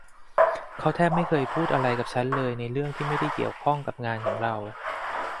เขาแทบไม่เคยพูดอะไรกับฉันเลยในเรื่องที่ไม่ได้เกี่ยวข้องกับงานของเรา